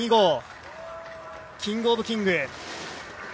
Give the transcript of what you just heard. キング・オブ・キング。